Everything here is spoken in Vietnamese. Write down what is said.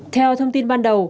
theo thông tin ban đầu